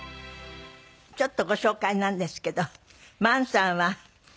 ちょっとご紹介なんですけど萬さんは９３歳におなりで。